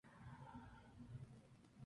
El campeón fue Peñarol de Uruguay.